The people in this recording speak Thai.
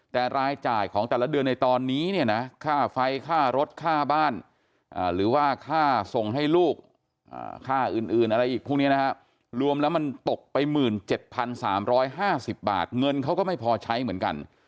แต่รายจ่ายของแต่ละเดือนในตอนนี้เนี่ยนะค่าไฟค่ารถค่าบ้านหรือว่าค่าส่งให้ลูกค่าอื่นอะไรอีกพวกนี้นะฮะรวมแล้วมันตกไป๑๗๓๕๐บาทเงินเขาก็ไม่พอใช้เหมือนกัน